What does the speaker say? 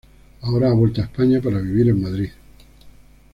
Ahora ha vuelto a España para vivir en Madrid.